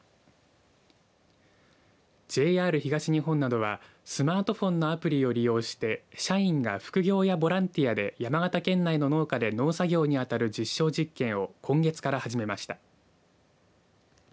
ＪＲ東日本などはスマートフォンのアプリを利用して社員が副業やボランティアで山形県内の農家で農作業に当たる実証実験を今月から始めました。